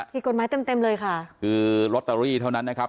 ผิดกฎหมายเต็มเต็มเลยค่ะคือลอตเตอรี่เท่านั้นนะครับ